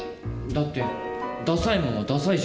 だってダサいもんはダサいじゃん。